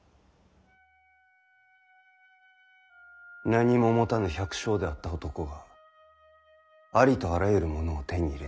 何も持たぬ百姓であった男がありとあらゆるものを手に入れてきた。